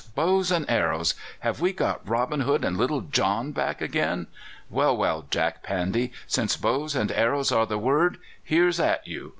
Bows and arrows! Have we got Robin Hood and Little John back again? Well, well, Jack Pandy, since bows and arrows are the word, here's at you!"